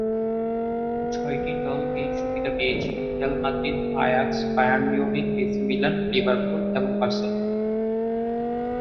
ছয়টি দল এই সুবিধা পেয়েছে: Real Madrid, Ajax, Bayern Munich, AC Milan, Liverpool এবং বার্সেলোনা।